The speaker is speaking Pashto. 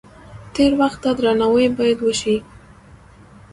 تیر وخت ته درناوی باید وشي.